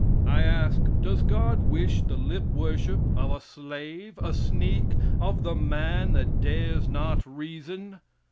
I ask: "Does God wish the lip worship of a slave? a sneak? of the man that dares not reason?